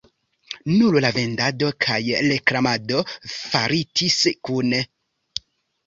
Nur la vendado kaj reklamado faritis kune.